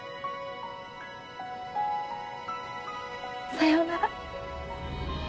さようなら。